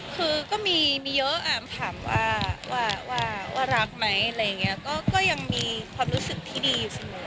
คือก็มีเยอะถามว่าว่ารักไหมอะไรอย่างนี้ก็ยังมีความรู้สึกที่ดีอยู่เสมอ